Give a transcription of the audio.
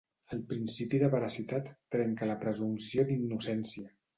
El principi de veracitat trenca la presumpció d’innocència.